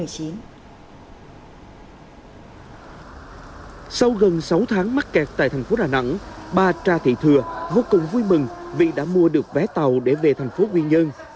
sau gần sáu tháng mắc kẹt tại tp đà nẵng bà tra thị thừa vô cùng vui mừng vì đã mua được vé tàu để về tp nguyên nhân